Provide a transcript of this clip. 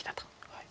はい。